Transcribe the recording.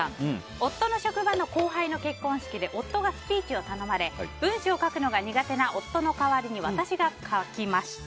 夫の職場の後輩の結婚式で夫がスピーチを頼まれ文章を書くのが苦手な夫の代わりに私が書きました。